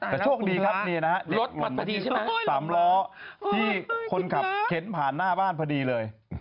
แต่โชคดีครับนี่นะฮะรถสามล้อที่คนขับเข็นผ่านหน้าบ้านพอดีเลย